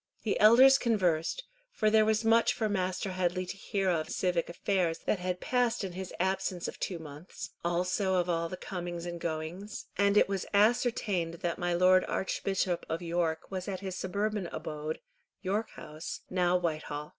The elders conversed, for there was much for Master Headley to hear of civic affairs that had passed in his absence of two months, also of all the comings and goings, and it was ascertained that my Lord Archbishop of York was at his suburban abode, York House, now Whitehall.